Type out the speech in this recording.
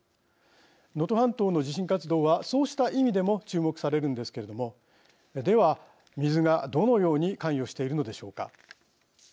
能登半島の地震活動はそうした意味でも注目されるんですけれどもでは、水がどのように関与しているのでしょうか。